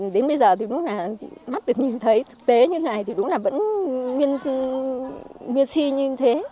đến bây giờ thì đúng là mắt được nhìn thấy thực tế như này thì đúng là vẫn miên si như thế